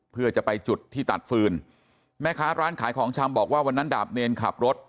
เพื่อจะไปจุดที่ตัดฟืนแม่ค้าร้านขายของชำบอกว่าวันนั้นดาบเนรขับรถ